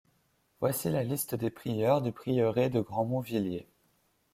Voici la liste des prieurs du Prieuré de Grandmont-Villiers.